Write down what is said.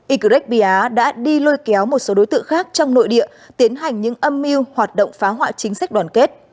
ycret bia đã đi lôi kéo một số đối tượng khác trong nội địa tiến hành những âm mưu hoạt động phá hoại chính sách đoàn kết